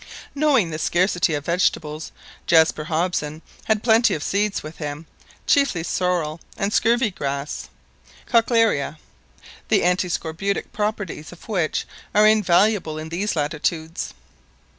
Knowing the scarcity of vegetables, Jaspar Hobson had plenty of seeds with him, chiefly sorrel and scurvy grass (Cochlearia), the antiscorbutic properties of which are invaluable in these latitudes.